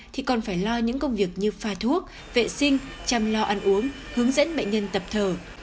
thì còn phải lo những công việc như pha thuốc vệ sinh chăm lo ăn uống hướng dẫn bệnh nhân tập thờ